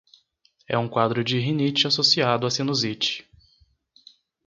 É um quadro de rinite associado a sinusite